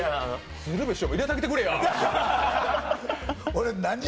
鶴瓶師匠も入れてあげてくれや！